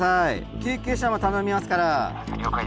救急車も頼みますから。